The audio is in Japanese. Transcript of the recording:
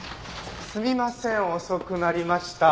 すみません遅くなりました。